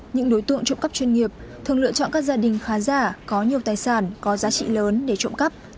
những đối tượng trộm cắp chuyên nghiệp thường lựa chọn các gia đình khá giả có nhiều tài sản có giá trị lớn để trộm cắp